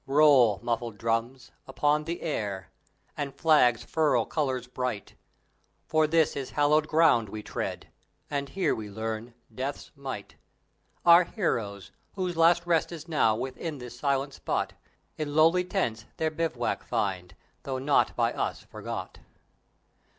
Roll, muffled drums, upon the air, and flags furl colors bright; For this is hallowed ground we tread, and here we learn Death's might. Our heroes, whose last rest is now within this silent spot, In lowly tents their bivouac find, though not by us forgot.